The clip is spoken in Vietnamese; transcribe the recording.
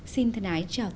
xin thân ái chào tạm biệt